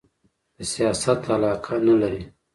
د سیاست علاقه نه لري